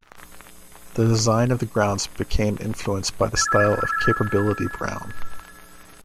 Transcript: The design of the grounds became influenced by the style of Capability Brown.